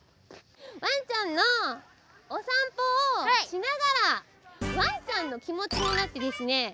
ワンちゃんのお散歩をしながらワンちゃんの気持ちになってですね